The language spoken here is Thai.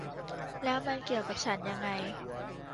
แล้วมันเกี่ยวกับฉันยังไง